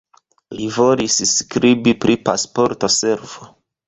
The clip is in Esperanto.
Li volis skribi pri Pasporta Servo.